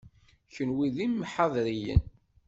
Kenwi d imḥadriyen.